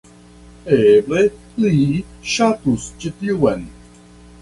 Eble li ŝatus ĉi tiun